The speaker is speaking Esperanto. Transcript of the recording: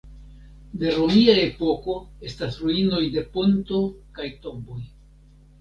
De romia epoko estas ruinoj de ponto kaj tomboj.